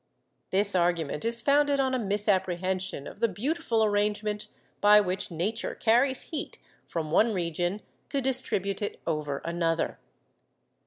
This argument is founded on a misapprehension of the beautiful arrangement by which Nature carries heat from one region to distribute it over another.